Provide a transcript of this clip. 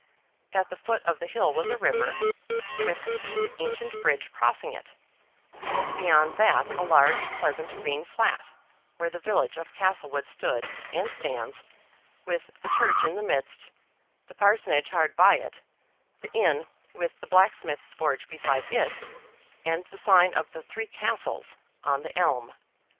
At the foot of the hill was a river, with a steep ancient bridge crossing it; and beyond that a large pleasant green flat, where the village of Castlewood stood, and stands, with the church in the midst, the parsonage hard by it, the inn with the blacksmith's forge beside it, and the sign of the "Three Castles" on the elm.